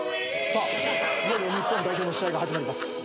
いよいよ日本代表の試合が始まります。